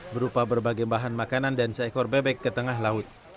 berupa berbagai bahan makanan dan seekor bebek ke tengah laut